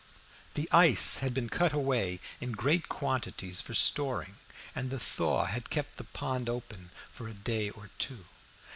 The ice had been cut away in great quantities for storing and the thaw had kept the pond open for a day or two.